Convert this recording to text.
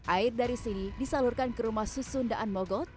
air dari sini disalurkan ke rumah susun daan mogot